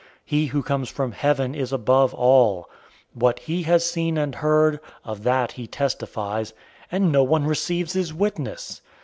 He who comes from heaven is above all. 003:032 What he has seen and heard, of that he testifies; and no one receives his witness.